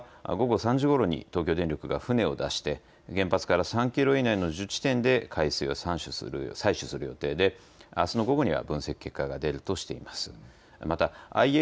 きょうは、午後３時ごろに東京電力が船を出して原発から３キロ以内の１０地点で海水を採取する予定であすの午後には分析結果が出るとしています。